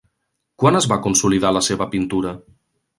Quan es va consolidar la seva pintura?